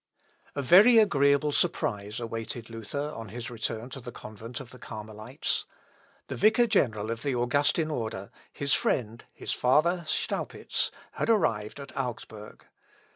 A very agreeable surprise awaited Luther on his return to the convent of the Carmelites. The vicar general of the Augustin order, his friend, his father Staupitz, had arrived at Augsburg.